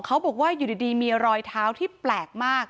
เขาบอกว่าอยู่ดีมีรอยเท้าที่แปลกมาก